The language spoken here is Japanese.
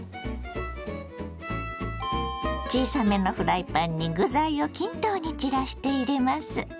小さめのフライパンに具材を均等に散らして入れます。